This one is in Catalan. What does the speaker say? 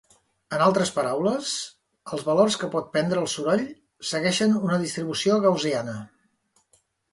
En altres paraules, els valors que pot prendre el soroll segueixen una distribució gaussiana.